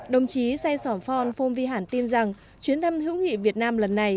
đồng chí say sổm phon phôn vi hản tin rằng chuyến thăm hữu nghị việt nam lần này